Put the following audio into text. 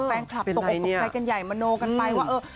แฟนคลับตกออกตกใจกันใหญ่มโนกันไปว่าเออ